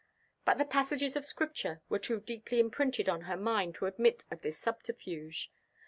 But the passages of Scripture were too deeply imprinted on her mind to admit of this subterfuge.